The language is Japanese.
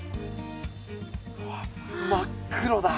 わっ真っ黒だ。